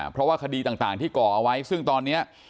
เพราะว่าคดีต่างที่ก่อเอาไว้ซึ่งตอนนี้